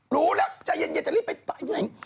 รู้แล้วใจเย็นจะรีบไปตายที่ไหน